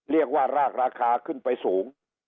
เรียกว่ารากราคาขึ้นไปสูง